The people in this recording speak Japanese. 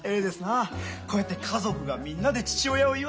こうやって家族がみんなで父親を祝ういうのは。